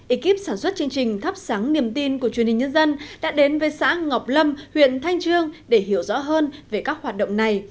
ekip sản xuất chương trình thắp sáng niềm tin của truyền hình nhân dân đã đến với xã ngọc lâm huyện thanh trương để hiểu rõ hơn về các hoạt động này